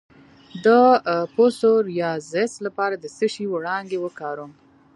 د پسوریازیس لپاره د څه شي وړانګې وکاروم؟